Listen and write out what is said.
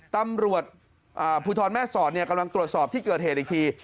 ตำรวจอ่าผู้ทรแม่ศรเนี่ยกำลังตรวจสอบที่เกิดเหตุอีกที